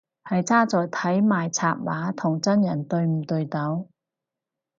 係差在睇埋插畫同真人對唔對到